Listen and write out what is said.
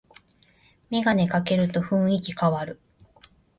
メガネかけると雰囲気かわる